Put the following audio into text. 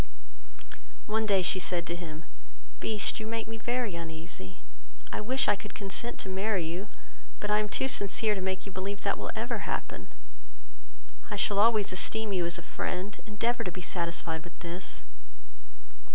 One day she said to him, "Beast, you make me very uneasy, I wish I could consent to marry you, but I am too sincere to make you believe that will ever happen: I shall always esteem you as a friend; endeavour to be satisfied with this."